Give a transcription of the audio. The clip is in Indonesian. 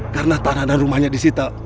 karena tanah dan rumahnya disita